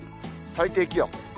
最低気温。